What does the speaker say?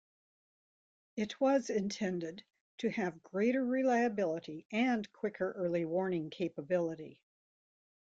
It was intended to have greater reliability and quicker early warning capability.